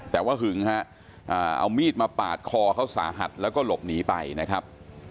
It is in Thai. แต่ว่าหึงฮะเอามีดมาปาดคอเขาสาหัสแล้วก็หลบหนีไปนะครับ